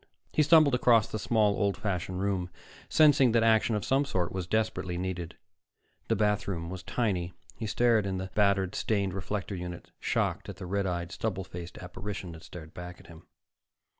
He stumbled across the small, old fashioned room, sensing that action of some sort was desperately needed. The bathroom was tiny; he stared in the battered, stained reflector unit, shocked at the red eyed stubble faced apparition that stared back at him.